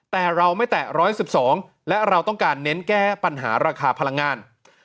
แต่เราไม่แตะ๑๑๒และเราต้องการเน้นแก้ปัญหาราคาพลังงาน